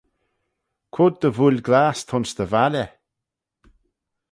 Quoid dy vuill glass t'ayns dty valley?